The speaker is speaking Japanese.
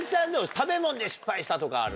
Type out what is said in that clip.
食べ物で失敗したとかある？